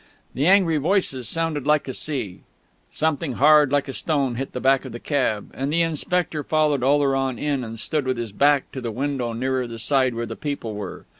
The angry voices sounded like a sea; something hard, like a stone, hit the back of the cab; and the inspector followed Oleron in and stood with his back to the window nearer the side where the people were.